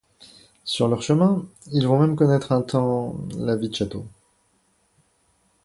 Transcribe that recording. Sur leur chemin, ils vont même connaître un temps... la vie de château.